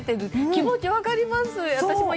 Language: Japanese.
気持ち分かります。